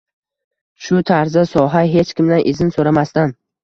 Shu tarzda soha, hech kimdan izn so‘ramasdan